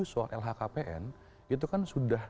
soal lhkpn itu kan sudah